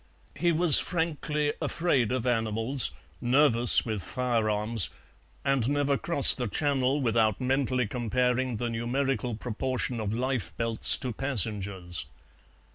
He was frankly afraid of animals, nervous with firearms, and never crossed the Channel without mentally comparing the numerical proportion of lifebelts to passengers.